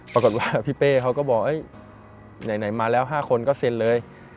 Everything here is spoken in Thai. ปรากฏว่าพี่เป้เขาก็บอกไหนมาแล้ว๕คนก็เซ็นเลย